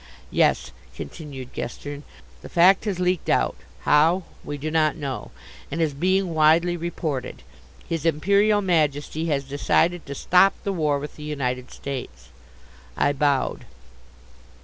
"Yes," continued Gestern. "The fact has leaked out how, we do not know and is being widely reported. His Imperial Majesty has decided to stop the war with the United States." I bowed.